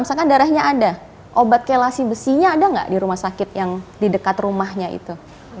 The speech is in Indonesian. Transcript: misalkan darahnya ada obat kelasi besinya ada nggak di rumah sakit yang di dekat rumahnya itu